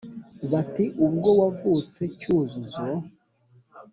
bati ubwo wavutse cyuzuzo